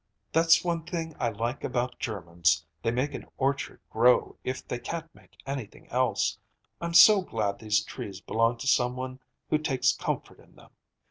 "That's one thing I like about Germans; they make an orchard grow if they can't make anything else. I'm so glad these trees belong to some one who takes comfort in them.